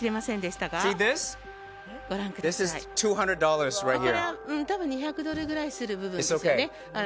たぶん２００ドルぐらいする部分ですね。